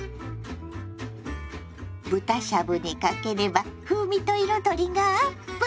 豚しゃぶにかければ風味と彩りがアップ。